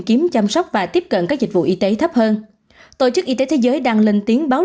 kiếm chăm sóc và tiếp cận các dịch vụ y tế thấp hơn tổ chức y tế thế giới đang lên tiếng báo